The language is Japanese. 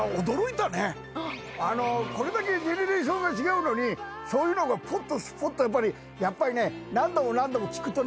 これだけジェネレーションが違うのにそういうのがぽっとすぽっとやっぱりね何度も何度も聴くとね